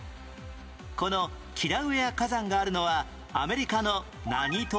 このキラウエア火山があるのはアメリカの何島？